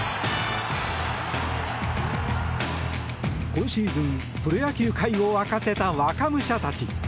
今シーズンプロ野球界を沸かせた若武者たち。